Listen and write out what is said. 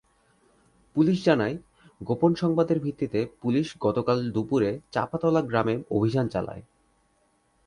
Police জানায়, গোপন সংবাদের ভিত্তিতে পুলিশ গতকাল দুপুরে চাঁপাতলা গ্রামে অভিযান চালায়।